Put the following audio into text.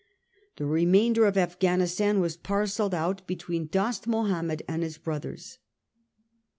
The remain der of Afghanistan was parcelled out between Dost Mahomed and his brothers.